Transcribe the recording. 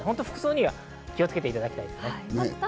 服装には気をつけていただきたいです。